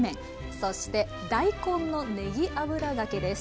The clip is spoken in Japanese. そして大根のねぎ油がけです。